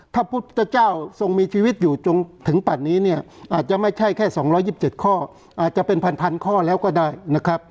ถ้าพุทธเจ้าทรงมีชีวิตอยู่จนถึงปัดนี้เนี่ยอาจจะไม่ใช่แค่๒๒๗ข้ออาจจะเป็นพันข้อแล้วก็ได้นะครับ